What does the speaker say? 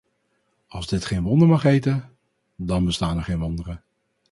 Als dit geen wonder mag heten, dan bestaan er geen wonderen.